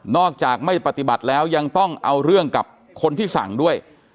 อกจากไม่ปฏิบัติแล้วยังต้องเอาเรื่องกับคนที่สั่งด้วย